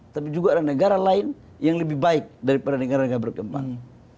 tapi juga ada negara lain yang lebih baik daripada negara negara berkembang